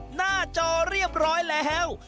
หน้าจอเรียบร้อยแล้ว